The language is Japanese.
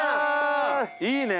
いいね！